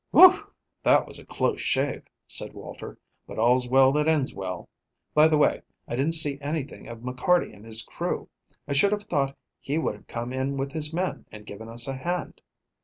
"Whew! that was a close shave," said Walter; "but all's well that ends well. By the way, I didn't see anything of McCarty and his crew. I should have thought he would have come in with his men and given us a hand."